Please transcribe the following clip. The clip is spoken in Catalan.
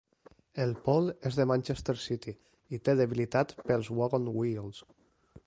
El Paul és del Manchester City i té debilitat pels Wagon Wheels.